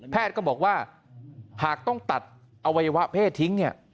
แพทย์ก็บอกว่าหากต้องตัดอวัยวะเพศทิ้ง